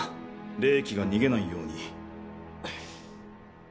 冷気が逃げないように。